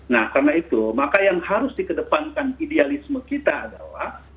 nah karena itu maka yang harus dikedepankan idealisme kita adalah